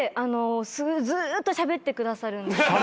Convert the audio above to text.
ずっとしゃべってくださる。